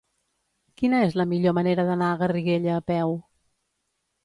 Quina és la millor manera d'anar a Garriguella a peu?